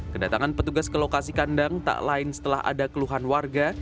kedatangan petugas ke lokasi kandang tak lain setelah ada keluhan warga